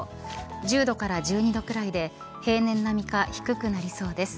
１０度から１２度くらいで平年並みか低くなりそうです。